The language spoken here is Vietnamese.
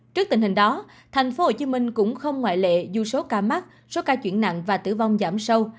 trước tình hình đó tp hcm cũng không ngoại lệ dù số ca mắc số ca chuyển nặng và tử vong giảm sâu